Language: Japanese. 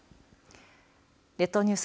列島ニュース